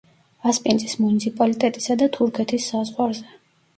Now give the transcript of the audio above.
ასპინძის მუნიციპალიტეტისა და თურქეთის საზღვარზე.